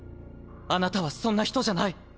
あなたはそんな人じゃない。